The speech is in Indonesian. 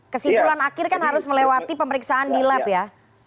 kesimpulan akhir kan harus melewati pemeriksaan di lab ya